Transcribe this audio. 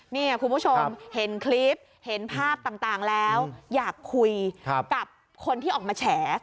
นี่คุณผู้ชมเห็นคลิปเห็นภาพต่างแล้วอยากคุยกับคนที่ออกมาแฉ